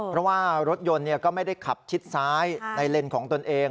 เพราะว่ารถยนต์ก็ไม่ได้ขับชิดซ้ายในเลนส์ของตนเอง